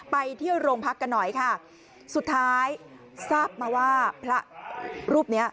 ไปที่โรงพักกันหน่อยค่ะสุดท้ายทราบมาว่าพระรูปเนี้ย